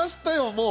もう。